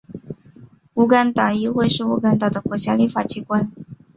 乌干达议会是乌干达的国家立法机关。